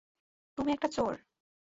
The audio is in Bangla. তুমি একটা চোর।